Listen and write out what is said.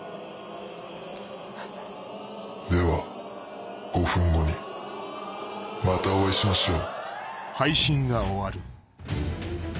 では５分後にまたお会いしましょう。